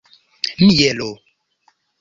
mielo